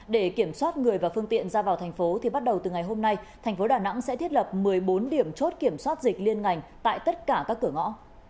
để kiểm soát người và phương tiện ra vào thành phố thì bắt đầu từ ngày hôm nay tp hcm sẽ thiết lập một mươi bốn điểm chốt kiểm soát dịch liên ngành tại tất cả các cửa ngõ